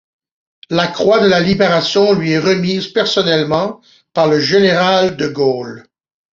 La croix de la Libération lui est remise personnellement par le général de Gaulle.